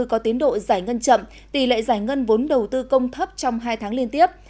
có tiến độ giải ngân chậm tỷ lệ giải ngân vốn đầu tư công thấp trong hai tháng liên tiếp